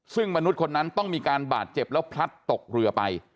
ซึ่งมนุษย์คนนั้นต้องมีการบาดเจ็บแล้วพลัดตกเรือไป